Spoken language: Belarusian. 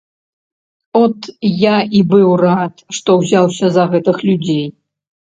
От я і быў рад, што ўзяўся за гэтых людзей.